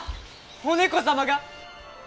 お猫様が！